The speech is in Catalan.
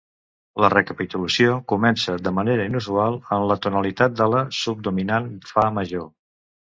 La recapitulació comença, de manera inusual, en la tonalitat de la subdominant, fa major.